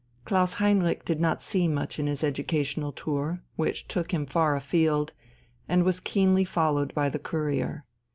Klaus Heinrich did not see much in his educational tour, which took him far afield, and was keenly followed by the Courier.